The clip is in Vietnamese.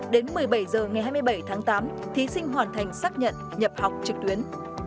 đến một mươi bảy h ngày hai mươi bảy tháng tám thí sinh hoàn thành xác nhận nhập học trực tuyến